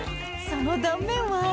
その断面は？